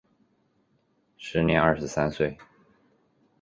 时年二十三岁。